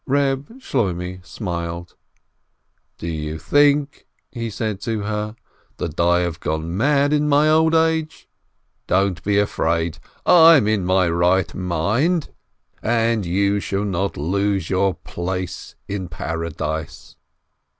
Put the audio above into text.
Eeb Shloimeh smiled. "Do you think," he said to her, "that I have gone mad in my old age ? Don't be afraid. I'm in my right mind, and you shall not lose your place in Paradise."